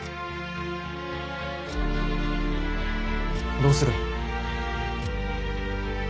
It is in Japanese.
どうする？